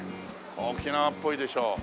沖縄っぽいでしょ。